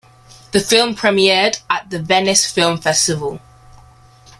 The film premiered at the Venice Film Festival.